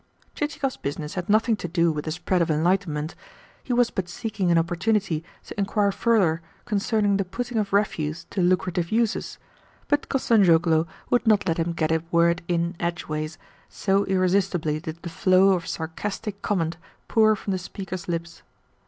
Chichikov's business had nothing to do with the spread of enlightenment, he was but seeking an opportunity to inquire further concerning the putting of refuse to lucrative uses; but Kostanzhoglo would not let him get a word in edgeways, so irresistibly did the flow of sarcastic comment pour from the speaker's lips.